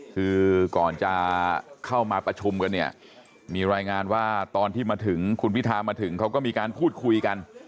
คือก่อนจะเข้ามาประชุมกันเนี่ยมีรายงานว่าตอนที่มาถึงคุณพิธามาถึงเขาก็มีการพูดคุยกัน